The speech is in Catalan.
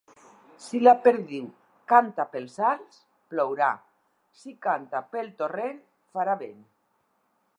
Si la perdiu canta pels alts, plourà; si canta pel torrent, farà vent.